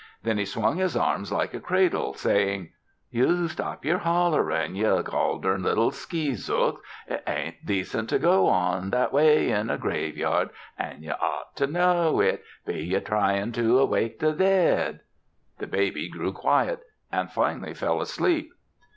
Then he swung his arms like a cradle saying: "You stop your hollerin' ye gol'darn little skeezucks! It ain't decent to go on that way in a graveyard an' ye ought to know it. Be ye tryin' to wake the dead?" The baby grew quiet and finally fell asleep.